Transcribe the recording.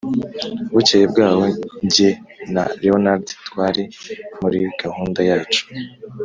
Bukeye bwaho jye na leonard twari muri gahunda yacu